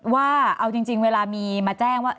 ว่าเอาจริงเวลามีมาแจ้งว่า